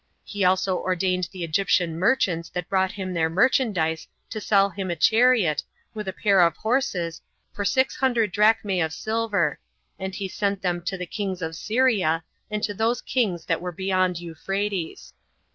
He also ordained the Egyptian merchants that brought him their merchandise to sell him a chariot, with a pair of horses, for six hundred drachmae of silver, and he sent them to the kings of Syria, and to those kings that were beyond Euphrates.